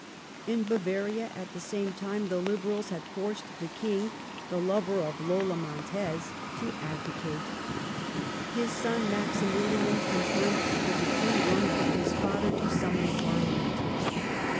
In Bavaria, at the same time, the Liberals had forced the King , the lover of Lola jMontez, to abdicate, llis son, Maximilian, confirmed the decree wrung from his father to summon a parliament.